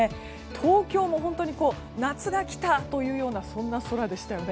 東京も本当に夏が来たというようなそんな空でしたよね。